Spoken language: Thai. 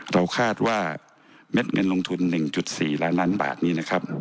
เราคาดว่าเม็ดเงินลงทุน๑๔ล้านบาทนี้